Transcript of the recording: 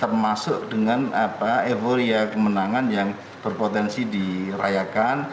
termasuk dengan apa evoria kemenangan yang berpotensi dirayakan